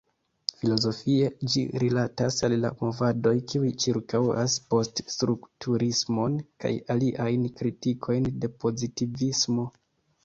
Filozofie, ĝi rilatas al la movadoj kiuj ĉirkaŭas post-strukturismon kaj aliajn kritikojn de pozitivismo.